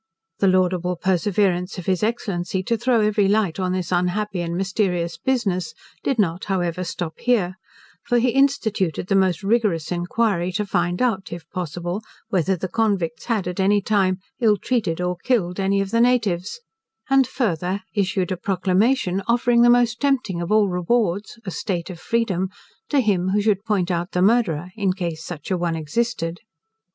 The laudable perseverance of his Excellency to throw every light on this unhappy and mysterious business did not, however stop here, for he instituted the most rigorous inquiry to find out, if possible, whether the convicts had at any time ill treated or killed any of the natives; and farther, issued a proclamation, offering the most tempting of all rewards, a state of freedom, to him who should point out the murderer, in case such an one existed.